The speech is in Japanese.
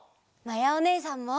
まやおねえさんも！